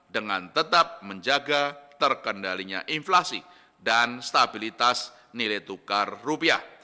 dengan tetap menjaga terkendalinya inflasi dan stabilitas nilai tukar rupiah